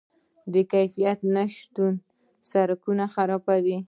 د کیفیت نشتون سرکونه خرابوي.